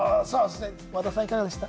和田さん、いかがでした？